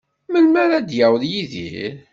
Melmi ara d-yaweḍ Yidir?